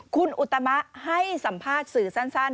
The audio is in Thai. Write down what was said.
คุณอุตมะให้สัมภาษณ์สื่อสั้น